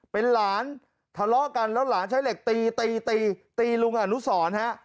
เป็นหลานทะเลาะกันแล้วหลานใช้เหล็กตีตีตีตีลุงอนุสรฮะ